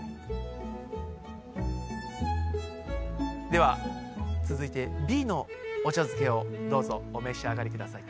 では続いてＢのお茶漬けをどうぞお召し上がりください。